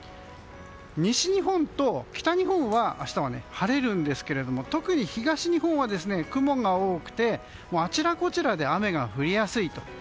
西日本と北日本は明日は晴れるんですけど特に東日本は雲が多くてあちらこちらで雨が降りやすい。